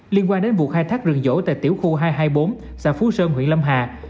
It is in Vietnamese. liên quan đến vụ khai thác rừng dỗ tại tiểu khu hai trăm hai mươi bốn xã phú sơn huyện lâm hà